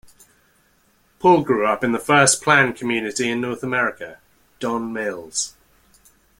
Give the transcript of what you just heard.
Paul grew up in the first planned community in North America, Don Mills.